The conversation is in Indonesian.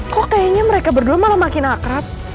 kok kayaknya mereka berdua malah makin akrab